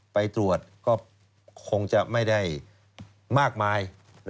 ไปตรวจก็คงจะไม่ได้มากมาย